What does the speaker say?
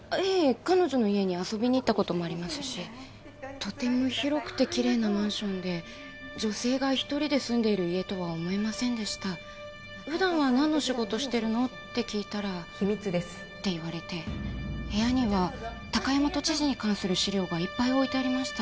彼女の家に遊びに行ったこともありますしとても広くてキレイなマンションで女性が一人で住んでいる家とは思えませんでした「普段は何の仕事を？」と聞いたら秘密です・て言われて部屋には高山都知事に関する資料がいっぱいありました